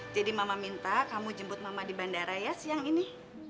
jadi mama minta kamu jemput mama di bandara ya siang ini